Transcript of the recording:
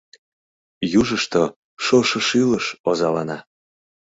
Южышто шошо шӱлыш озалана.